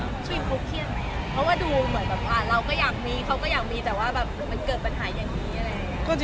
พี่ฟุกเครียดไหมครับเพราะว่าดูเหมือนแบบว่าเราก็อยากมีเขาก็อยากมีแต่ว่ามันเกิดปัญหาอย่างนี้อะไร